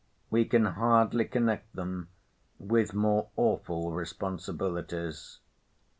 We can hardly connect them with more awful responsibilities.